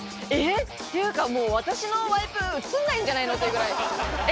っていうか私のワイプ、映んないんじゃないの？っていうぐらい、え？